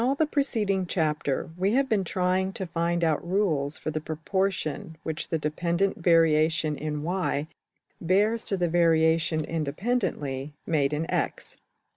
throughout the preceding chapter} we have been trying to find out rules for the proportion which the dependent variation in $y$~bears to the variation independently made in~$x$.